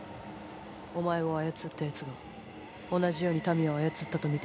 お前を操ったやつが同じように民を操ったと見て間違いない。